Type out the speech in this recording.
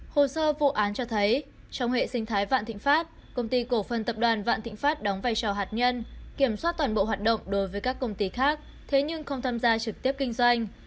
hồ sơ vụ án cho thấy trong hệ sinh thái vạn thịnh pháp công ty cổ phần tập đoàn vạn thịnh pháp đóng vai trò hạt nhân kiểm soát toàn bộ hoạt động đối với các công ty khác thế nhưng không tham gia trực tiếp kinh doanh